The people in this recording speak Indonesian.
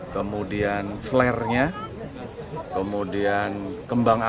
kemudian flernya kemudian kembangannya